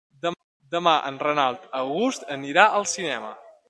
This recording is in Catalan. Demà en Renat August anirà al cinema.